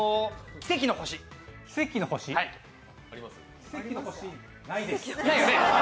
「奇跡の地球」ないです。